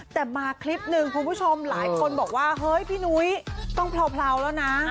แต่มาคลิปหนึ่งคุณผู้ชมหลายคนบอกว่าเฮ้ยพี่นุ้ยต้องเผลาแล้วนะ